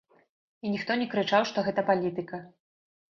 І ніхто не крычаў, што гэта палітыка.